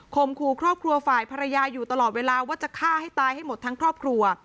ขู่ครอบครัวฝ่ายภรรยาอยู่ตลอดเวลาว่าจะฆ่าให้ตายให้หมดทั้งครอบครัว